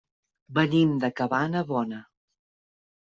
Venim de Cabanabona.